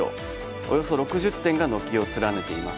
およそ６０店が軒を連ねています。